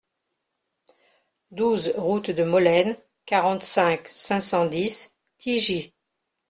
douze route de Molaine, quarante-cinq, cinq cent dix, Tigy